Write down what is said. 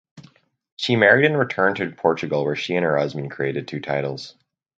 She married and returned to Portugal where she and her husband created two titles.